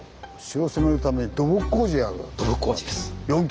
土木工事です。